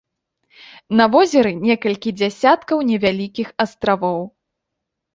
На возеры некалькі дзясяткаў невялікіх астравоў.